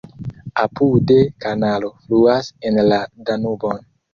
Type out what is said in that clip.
Apude kanalo fluas en la Danubon.